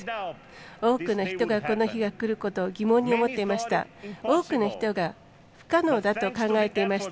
多くの人が、この日がくることを疑問に思っていました。